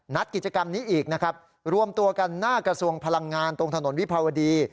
กิจกรรมนี้อีกนะครับรวมตัวกันหน้ากระทรวงพลังงานตรงถนนวิภาวดี